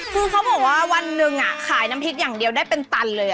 คือเขาบอกว่าวันหนึ่งขายน้ำพริกอย่างเดียวได้เป็นตันเลย